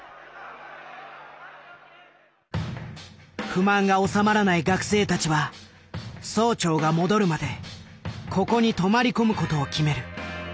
不満が収まらない学生たちは総長が戻るまでここに泊まり込むことを決める。